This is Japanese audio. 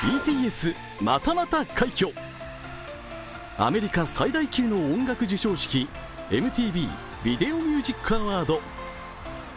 アメリカ最大級の音楽授賞式、ＭＴＶビデオミュージックアワード。